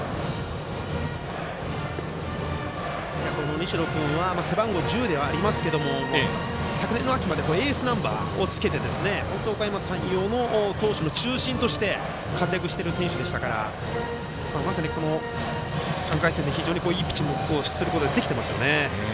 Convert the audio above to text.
西野君は背番号１０ではありますけども昨年の秋までエースナンバーをつけておかやま山陽の投手の中心として活躍している選手でしたから３回戦で非常にいいピッチングをすることができています。